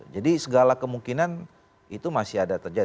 jadi segala kemungkinan itu masih ada terjadi